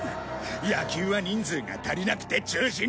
野球は人数が足りなくて中止になったぞ。